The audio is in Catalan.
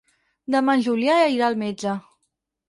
Demà en Julià irà al metge.